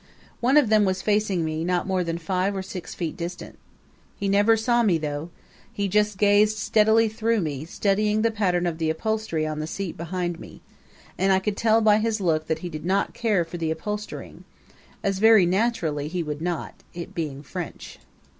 One of them was facing me not more than five or six feet distant. He never saw me though. He just gazed steadily through me, studying the pattern of the upholstery on the seat behind me; and I could tell by his look that he did not care for the upholstering as very naturally he would not, it being French.